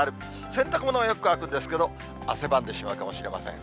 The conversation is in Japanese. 洗濯物はよく乾くんですけど、汗ばんでしまうかもしれません。